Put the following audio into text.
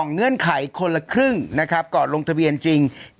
เงื่อนไขคนละครึ่งนะครับก่อนลงทะเบียนจริง